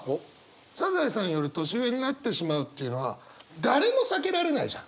サザエさんより年上になってしまうっていうのは誰も避けられないじゃん。